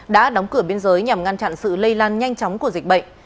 đã đóng cửa biên giới nhằm ngăn chặn sự lây lan nhanh chóng của dịch bệnh